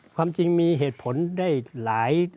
ความจริงมีเหตุผลได้หลาย